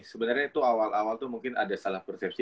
sebenarnya itu awal awal itu mungkin ada salah persepsi